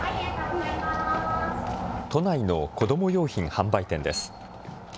都内の子ども用品販売店です。